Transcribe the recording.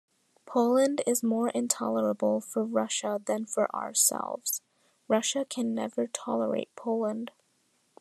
Poland is more intolerable for Russia than for ourselves; Russia can never tolerate Poland.